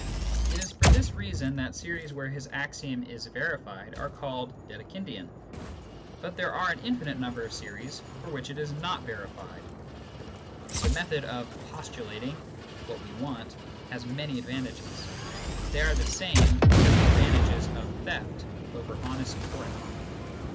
It is for this reason that series where his axiom is verified are called " Dedekindian." But there are an infinite number of series for which it is not verified. The method of "postulating " what we want has many advan tages ; they are the same as the advantages of theft over honest toil.